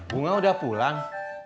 bunga udah pulang